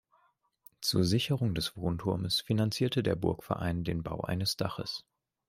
Zur Sicherung des Wohnturmes finanzierte der Burgverein den Bau eines Daches.